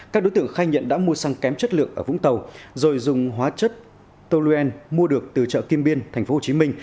các đối tượng khai nhận đã mua xăng kém chất lượng ở vũng tàu rồi dùng hóa chất toluene mua được từ chợ kim biên tp hcm